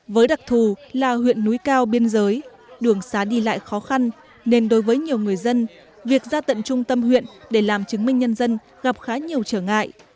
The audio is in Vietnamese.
với đặc thù là huyện núi cao biên giới đường xá đi lại khó khăn nên đối với nhiều người dân việc ra tận trung tâm huyện để làm chứng minh nhân dân gặp khá nhiều trở ngại